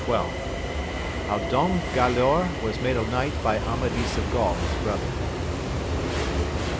Xll. — How Don Gkdaor was made a knight by Amadis of Gttml his brother.